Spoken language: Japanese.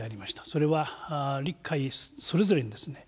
それは陸海それぞれにですね